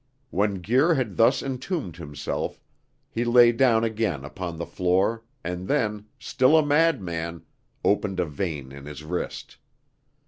When Guir had thus entombed himself, he lay down again upon the floor, and then, still a madman, opened a vein in his wrist.